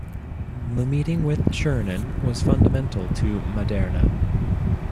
The meeting with Scherchen was fundamental to Maderna.